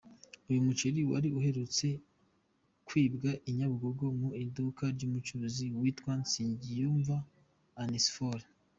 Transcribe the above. Uyu muceri wari uherutse kwibwa i Nyabugogo mu iduka ry’umucuruzi witwa Nsengiyumva Onesphore.